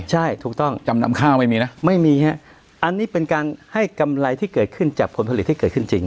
ใช่ถูกต้องจำนำข้าวไม่มีนะไม่มีฮะอันนี้เป็นการให้กำไรที่เกิดขึ้นจากผลผลิตที่เกิดขึ้นจริง